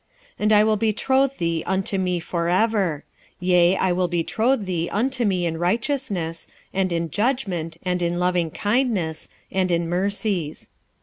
2:19 And I will betroth thee unto me for ever; yea, I will betroth thee unto me in righteousness, and in judgment, and in lovingkindness, and in mercies.